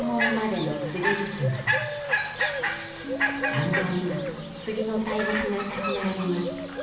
参道には杉の大木が立ち並びます。